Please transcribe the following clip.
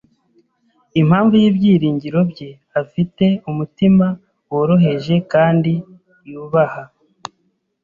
impamvu y’ibyiringiro bye, afite umutima woroheje kandi yubaha?